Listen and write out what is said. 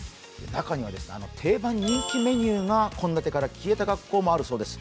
中には定番、人気メニューが献立から消えた学校もあるようです。